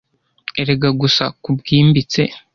Erega gusa kubwimbitse